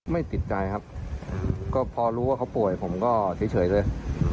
ไม่ติดใจครับก็พอรู้ว่าเขาป่วยผมก็เฉยเลย